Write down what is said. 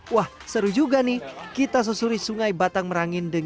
wah seru juga nih kita susuri sungai batang merangin